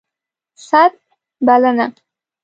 ست ... بلنه